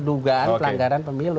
dugaan pelanggaran pemilu